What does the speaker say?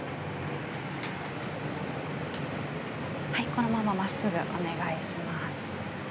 このまま、まっすぐお願いします。